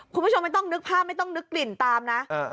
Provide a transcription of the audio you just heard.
คุณผู้ชมไม่ต้องนึกภาพไม่ต้องนึกกลิ่นตามนะ